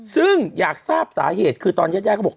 ซึ่งอยากทราบสาเหตุคือตอนยัดยากเขาบอก